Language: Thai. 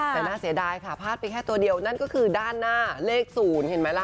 แต่น่าเสียดายค่ะพลาดไปแค่ตัวเดียวนั่นก็คือด้านหน้าเลข๐เห็นไหมล่ะ